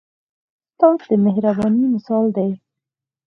استاد د مهربانۍ مثال دی.